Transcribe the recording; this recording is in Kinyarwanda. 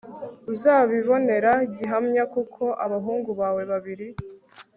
uzabibonera gihamya kuko abahungu bawe babiri